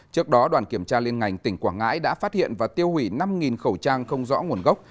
trước đó đoàn kiểm tra liên ngành tỉnh quảng ngãi đã phát hiện và tiêu hủy năm khẩu trang không rõ nguồn gốc